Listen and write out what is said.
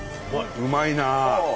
うまいな！